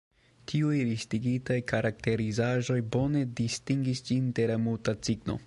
Tiuj listigitaj karakterizaĵoj bone distingas ĝin de la Muta cigno.